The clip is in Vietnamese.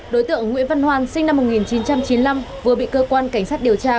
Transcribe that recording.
đối tượng nguyễn văn hoàn sinh năm một nghìn chín trăm chín mươi năm vừa bị cơ quan cảnh sát điều tra